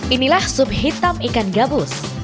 inilah sup hitam ikan gabus